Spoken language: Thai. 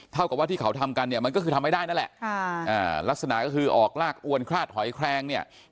เท่ากับว่าที่เขาทำกันเนี่ยมันก็คือทำไม่ได้นั่นแหละค่ะอ่าลักษณะก็คือออกลากอวนคลาดหอยแคลงเนี่ย